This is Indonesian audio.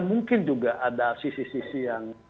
mungkin juga ada sisi sisi yang